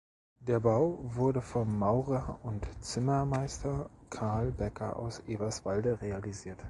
Der Bau wurde vom Maurer- und Zimmermeister Carl Becker aus Eberswalde realisiert.